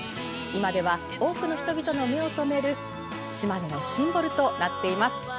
今では多くの人々の目をとめる島根のシンボルとなっています。